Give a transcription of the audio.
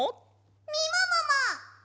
みももも！